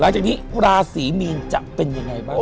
หลังจากนี้ราศีมีนจะเป็นยังไงบ้าง